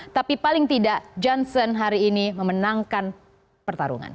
tapi paling tidak johnson hari ini memenangkan pertarungan